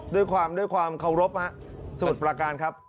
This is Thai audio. ด้วยความเคารพสมุทรปราการครับ